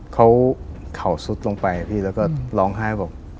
เขาเข่าสุดลงไปพี่แล้วก็ร้องไห้บอก